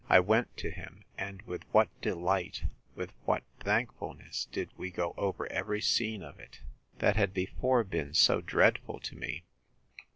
I went to him: and with what delight, with what thankfulness, did we go over every scene of it, that had before been so dreadful to me!